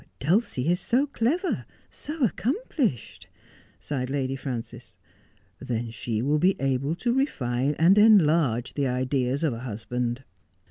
' Dulcie is so clever, so accomplished,' sighed Lady Frances. 'Then she will be able to refine and enlarge the ideas of a husband.'